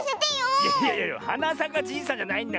いやいやはなさかじいさんじゃないんだから。